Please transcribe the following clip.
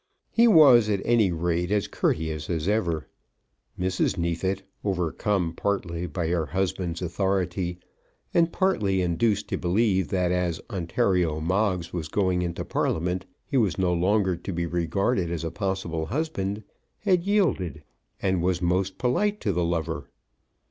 He was, at any rate, as courteous as ever. Mrs. Neefit, overcome partly by her husband's authority, and partly induced to believe that as Ontario Moggs was going into Parliament he was no longer to be regarded as a possible husband, had yielded, and was most polite to the lover.